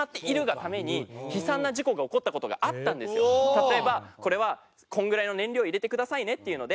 例えば「これはこれぐらいの燃料を入れてくださいね」っていうので。